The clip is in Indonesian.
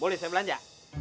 boleh saya belanja